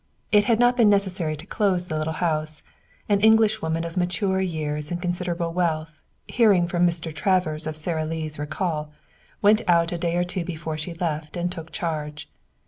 It had not been necessary to close the little house. An Englishwoman of mature years and considerable wealth, hearing from Mr. Travers of Sara Lee's recall, went out a day or two before she left and took charge.